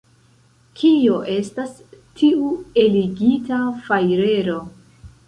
Kio estas tiu eligita fajrero?